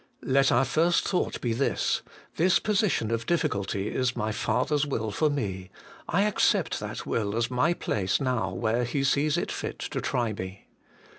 Let our first thought be : this position of difficulty is my Father's will for me : I accept that will as my place now where Ho sees it fit to try me.